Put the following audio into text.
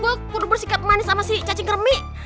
gue kurang bersikap manis sama si cacing kremik